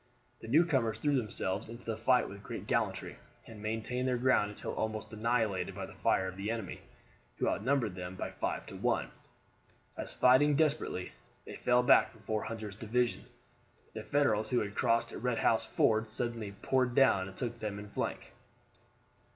The newcomers threw themselves into the fight with great gallantry, and maintained their ground until almost annihilated by the fire of the enemy, who outnumbered them by five to one. As, fighting desperately, they fell back before Hunter's division, the Federals who had crossed at Red House Ford suddenly poured down and took them in flank.